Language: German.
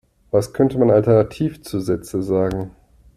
Was könnte man alternativ zu Sätze sagen?